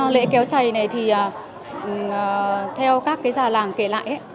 lễ kéo chày này thì theo các già làng kể lại